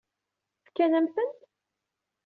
Fkan-am-tent?